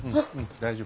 大丈夫。